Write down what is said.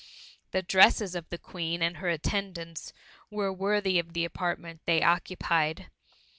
The dresses of the Queen and her attendants were worthy of the apartment they occupied.